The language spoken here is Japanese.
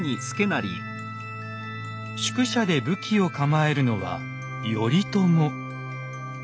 宿舎で武器を構えるのは頼朝。